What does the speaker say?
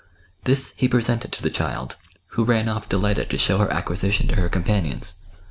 This he presented to the child, who ran oflF delighted to show her acquisition to her companions.